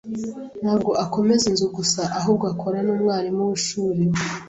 Ntabwo akomeza inzu gusa, ahubwo akora n'umwarimu wishuri.